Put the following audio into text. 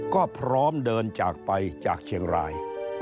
ก็พร้อมเดินจากไปจากเชียงราย